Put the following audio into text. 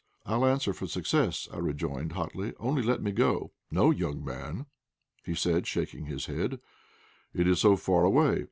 "I'll answer for success!" I rejoined, hotly. "Only let me go." "No, young man," he said, shaking his head; "it is so far away.